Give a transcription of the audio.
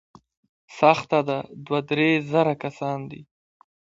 سخته ده، دوه، درې زره کسان دي.